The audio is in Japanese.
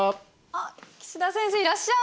あっ岸田先生いらっしゃい！